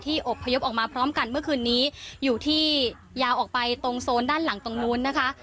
อบพยพออกมาพร้อมกันเมื่อคืนนี้อยู่ที่ยาวออกไปตรงโซนด้านหลังตรงนู้นนะคะ